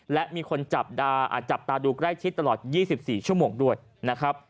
และมีคนจับตาดูใกล้ชิดตลอด๒๔ชั่วโมงด้วยนะครับ